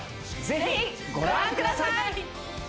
ぜひご覧ください。